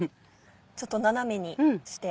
ちょっと斜めにして。